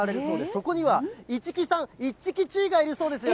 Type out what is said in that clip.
そこには、市來さん、いっちきちーがいるそうですよ。